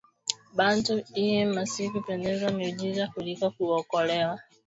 Bantu iyi masiku banapenda miujiza kuliko kuokolewa